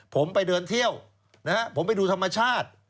ผมไปเดินเที่ยวนะฮะผมไปดูธรรมชาติ